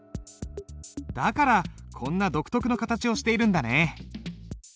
だからこんな独特の形をしているんだね。